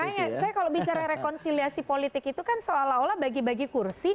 makanya saya kalau bicara rekonsiliasi politik itu kan seolah olah bagi bagi kursi